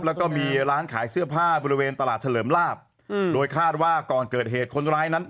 แล้วก็มีร้านขายเสื้อผ้าบริเวณตลาดเฉลิมลาบโดยคาดว่าก่อนเกิดเหตุคนร้ายนั้น